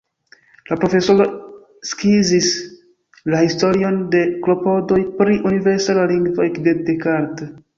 La profesoro skizis la historion de klopodoj pri universala lingvo ekde Descartes.